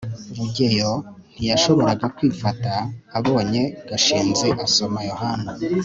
rugeyo ntiyashoboraga kwifata abonye gashinzi asoma yohana